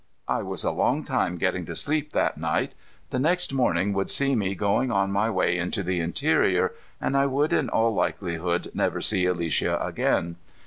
I was a long time getting to sleep that night. The next morning would see me going on my way into the interior, and I would in all likelihood never see Alicia again.